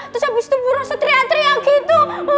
terus abis itu bu rosa teriak teriak gitu